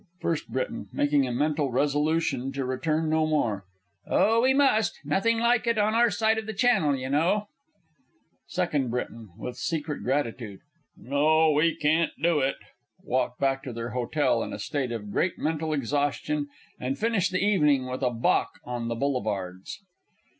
FIRST B. (making a mental resolution to return no more). Oh, we must; nothing like it on our side of the Channel, y' know. SECOND B. (with secret gratitude). No, we can't do it. (_Walk back to their hotel in a state of great mental exhaustion, and finish the evening with a bock on the Boulevards.